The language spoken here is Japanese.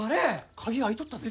鍵開いとったで。